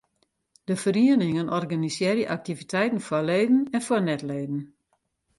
De ferieningen organisearje aktiviteiten foar leden en foar net-leden.